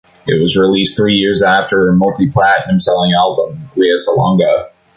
It was released three years after her multi-platinum selling album, "Lea Salonga".